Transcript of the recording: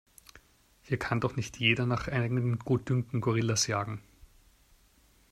Hier kann doch nicht jeder nach eigenem Gutdünken Gorillas jagen!